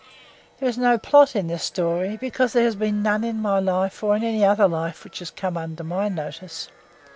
There is no plot in this story, because there has been none in my life or in any other life which has come under my notice.